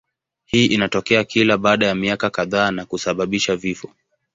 Hii inatokea kila baada ya miaka kadhaa na kusababisha vifo.